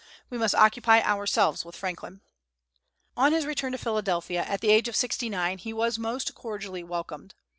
We must occupy ourselves with Franklin. On his return to Philadelphia, at the age of sixty nine, he was most cordially welcomed.